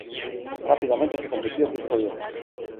Rápidamente se convirtió en disco de oro.